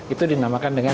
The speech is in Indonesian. itu dinamakan dengan